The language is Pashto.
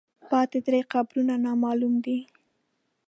پاتې درې قبرونه نامعلوم دي.